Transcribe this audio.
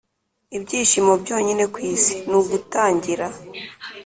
“ibyishimo byonyine ku isi ni ugutangira.”